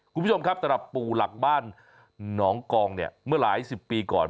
คุณผู้ชมครับสำหรับปู่หลักบ้านหนองกองเนี่ยเมื่อหลายสิบปีก่อน